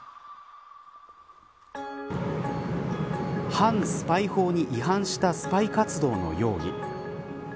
反スパイ法に違反したスパイ活動の容疑。